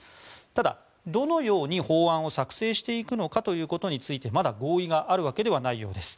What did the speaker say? ただ、どのように法案を作成していくのかについてまだ合意があるわけではないようです。